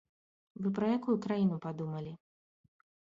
Вы пра якую краіну падумалі?